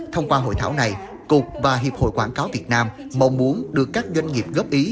thông qua hội thảo này cục và hiệp hội quảng cáo việt nam mong muốn được các doanh nghiệp góp ý